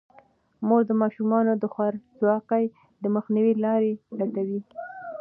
مور د ماشومانو د خوارځواکۍ د مخنیوي لارې لټوي.